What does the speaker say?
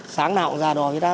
sáng nào cũng ra đo